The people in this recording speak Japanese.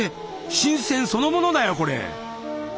新鮮そのものだよこれ。